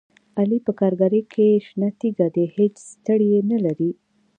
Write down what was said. علي په کارګرۍ کې شنه تیږه دی، هېڅ ستړیې نه لري.